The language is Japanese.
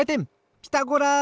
ピタゴラ！